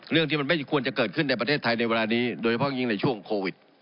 เรื่องที่มันไม่ควรจะเกิดขึ้นในประเทศไทยในเวลานี้โดยเฉพาะยิ่งในช่วงโควิด